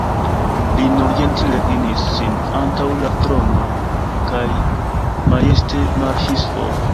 Li nur ĝentile klinis sin antaŭ la trono kaj majeste marŝis for.